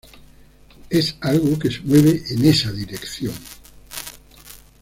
Es algo que se mueve en esa dirección.